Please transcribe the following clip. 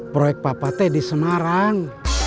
proyek papa di semarang